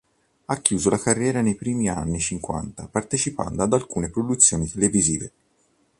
Ha chiuso la carriera nei primi anni cinquanta partecipando ad alcune produzioni televisive.